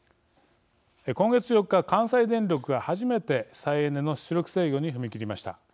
今月４日、関西電力が初めて再エネの出力制御に踏み切りました。